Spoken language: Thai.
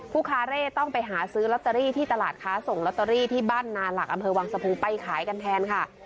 คาเร่ต้องไปหาซื้อลอตเตอรี่ที่ตลาดค้าส่งลอตเตอรี่ที่บ้านนาหลักอำเภอวังสะพุงไปขายกันแทนค่ะ